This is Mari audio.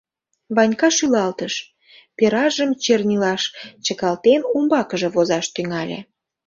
Ванька шӱлалтыш, перажым чернилаш чыкалтен, умбакыже возаш тӱҥале: